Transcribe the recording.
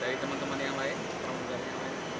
dari teman teman yang lain pramugari yang lain